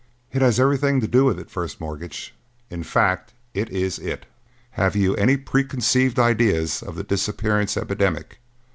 "It has everything to do with it, First Mortgage; in fact, it is it. Have you any preconceived ideas on the disappearance epidemic?"